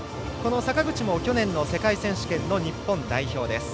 坂口も去年の世界選手権の日本代表です。